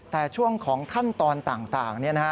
แต่ช่วงของขั้นตอนต่างเนี่ยนะคะ